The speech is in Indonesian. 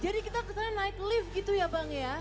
jadi kita kesana naik lift gitu ya bang ya